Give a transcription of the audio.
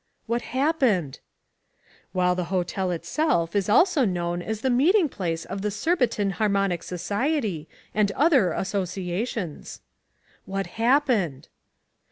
"What happened?" "While the hotel itself is also known as the meeting place of the Surbiton Harmonic Society and other associations." "What happened?"